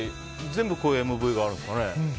全部ＭＶがあるんですかね。